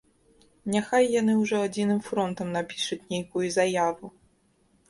Няхай яны ўжо адзіным фронтам напішуць нейкую заяву.